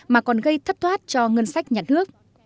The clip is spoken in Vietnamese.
mà còn gây thất thoát cho ngân sách nhà nước